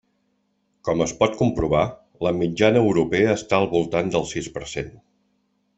Com es pot comprovar, la mitjana europea està al voltant del sis per cent.